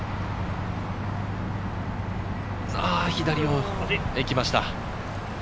左を行きました。